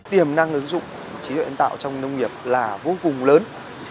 tiềm năng ứng dụng trí tuệ nhân tạo trong nông nghiệp là vô cùng lớn